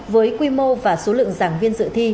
với quy mô và số lượng giảng viên dự thi